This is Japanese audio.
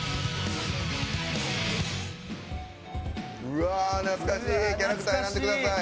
うわ懐かしい！